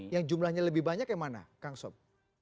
yang jumlahnya lebih banyak yang mana kang sob